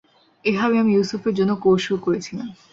এভাবে আমি ইউসুফের জন্যে কৌশল করেছিলাম।